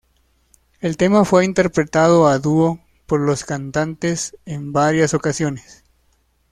El tema fue interpretado a dúo por los cantantes en varias ocasiones.